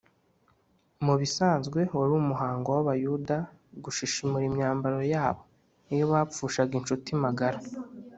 mu bisanzwe wari umuhango w’abayuda gushishimura imyambaro yabo iyo bapfushaga inshuti magara,